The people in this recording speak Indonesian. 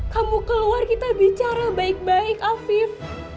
kamu keluar kita bicara baik baik afif